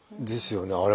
ですよね。